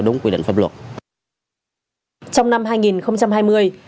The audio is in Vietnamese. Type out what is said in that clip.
đã được kiểm chế